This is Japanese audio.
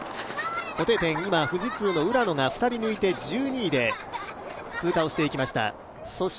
固定点、今、富士通の浦野が２人抜いて１２位で通過していきました。